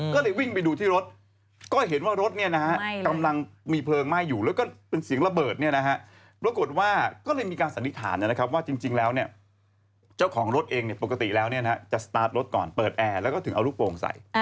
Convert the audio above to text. ก็เลยวิ่งไปดูที่รถก็เห็นว่ารถกำลังมีเพลิงไหม้อยู่แล้วก็เป็นเสียงระเบิดปรากฏว่าก็เลยมีการสันนิษฐานนะครับว่าจริงแล้วเนี่ยเจ้าของรถเองปกติแล้วจะสตาร์ทรถก่อนเปิดแอร์แล้วก็ถึงเอาลูกโป่งใส่